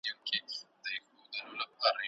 جنسي انحراف يوه لويه ستونزه ده.